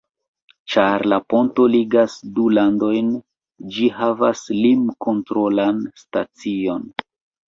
Ĉar la ponto ligas du landojn, ĝi havas lim-kontrolan stacion.